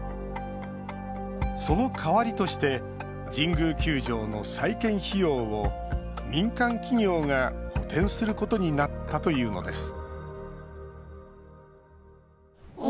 その代わりとして神宮球場の再建費用を民間企業が補填することになったというのです